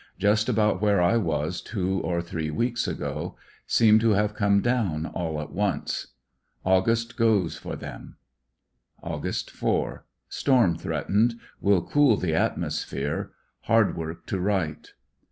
Just about where I was two or three weeks ago. Seem to have come down all at once. August goes for them. Aug. 4.— Storm threatened. Will cool the atmosphere. Hard work to write.